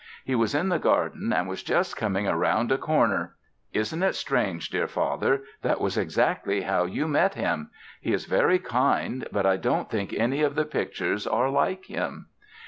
He was in the garden and was just coming around a corner. Isn't it strange, dear father, that was exactly how you met him! He is very kind, but I don't think any of the pictures are like him....